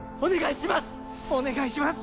お願いします！